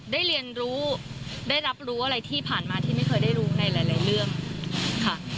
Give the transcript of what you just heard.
ได้เรียนรู้ได้รับรู้อะไรที่ผ่านมาที่ไม่เคยได้รู้ในหลายเรื่องค่ะ